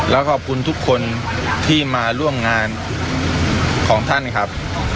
แล้วขอบคุณทุกคนที่มาร่วมงานของท่านครับ